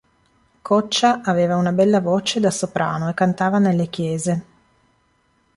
Coccia aveva una bella voce da soprano e cantava nelle chiese.